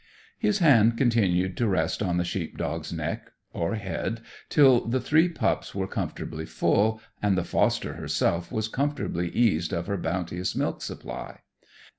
His hand continued to rest on the sheep dog's neck or head, till the three pups were comfortably full, and the foster herself was comfortably eased of her bounteous milk supply.